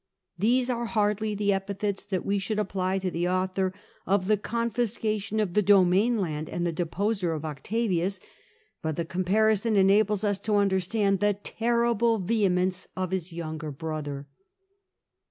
These are hardly the epithets that we should apply to the author of the confiscation of the domain land and the deposer of Octavius, but the comparison enables us to understand the terrible vehemence of his younger brother.